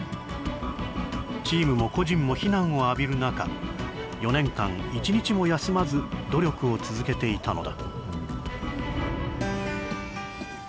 チームも個人も非難を浴びる中４年間一日も休まず努力を続けていたのだ。